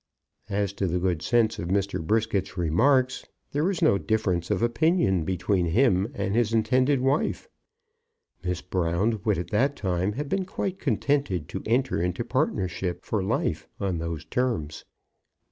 As to the good sense of Mr. Brisket's remarks, there was no difference of opinion between him and his intended wife. Miss Brown would at that time have been quite contented to enter into partnership for life on those terms.